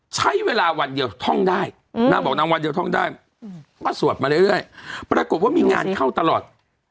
ใช้เวลาวันเดียวท่องได้นางบอกนางวันเดียวท่องได้ก็สวดมาเรื่อยปรากฏว่ามีงานเข้าตลอด